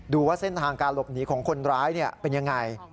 ว่าเส้นทางการหลบหนีของคนร้ายเป็นยังไง